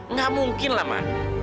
nggak mungkinlah ma